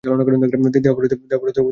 দেহঘড়িতে অতিরিক্ত সময় যোগ করে!